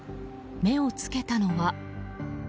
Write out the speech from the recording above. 目を付けたのは。